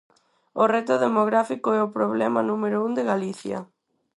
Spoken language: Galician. O reto demográfico é o problema número un de Galicia.